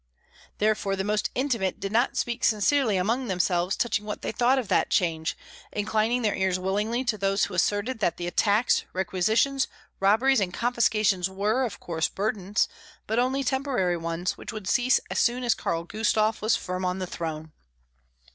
Therefore the most intimate did not speak sincerely among themselves touching what they thought of that change, inclining their ears willingly to those who asserted that the attacks, requisitions, robberies, and confiscations were, of course burdens, but only temporary ones, which would cease as soon as Karl Gustav was firm on the throne.